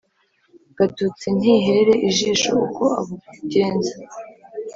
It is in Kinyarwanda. Gatutsi ntihere ijisho uko abugenza